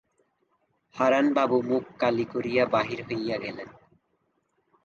হারানবাবু মুখ কালি করিয়া বাহির হইয়া গেলেন।